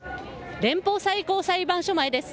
連邦最高裁判所前です。